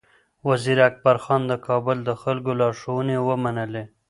وزیر اکبر خان د کابل د خلکو لارښوونې ومنلې.